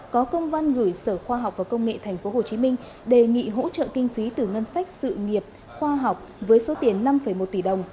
có công văn gửi sở khoa học và công nghệ tp hcm đề nghị hỗ trợ kinh phí từ ngân sách sự nghiệp khoa học với số tiền năm một tỷ đồng